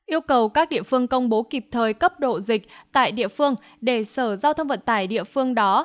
yêu cầu các địa phương công bố kịp thời cấp độ dịch tại địa phương để sở giao thông vận tải địa phương đó